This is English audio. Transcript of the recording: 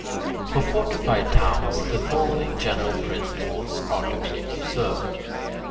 For fortified towns the following general principles are to be observed.